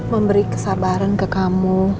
memberi kesabaran ke kamu